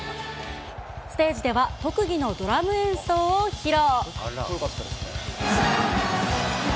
ステージでは特技のドラム演奏を披露。